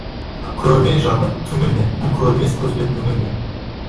Көрмей жатып түңілме, көрмес көзбен үңілме.